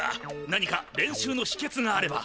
何か練習のひけつがあれば。